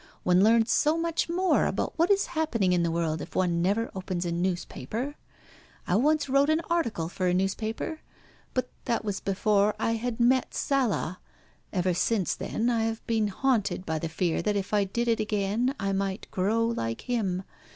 One learns so much more about what is happening in the world if one never opens a newspaper. I once wrote an article for a newspaper, but that was before I had met Sala. Ever since then I have been haunted by the fear that if I did it again I might grow like him.